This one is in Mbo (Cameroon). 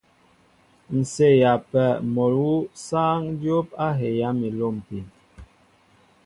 Ǹ seeya ápē mol awu sááŋ dyóp a heyá mi a lômpin.